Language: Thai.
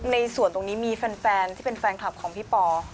ในส่วนตรงนี้มีแฟนที่เป็นแฟนคลับของพี่ปอ